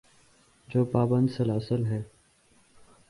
جو پابند سلاسل ہیں۔